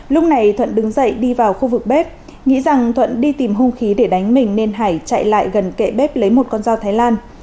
lúc này thuận đứng dậy đi vào khu vực bếp nghĩ rằng thuận đi tìm hung khí để đánh mình nên hải chạy lại gần kệ bếp lấy một con dao thái lan